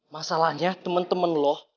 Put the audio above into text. masalahnya temen temen lo